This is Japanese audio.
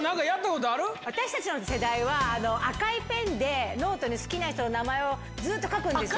私たちの世代は、赤いペンでノートに好きな人の名前をずっと書くんですよ。